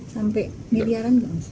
sampai media randang